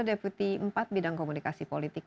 deputi empat bidang komunikasi politik